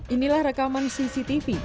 inilah rekaman cctv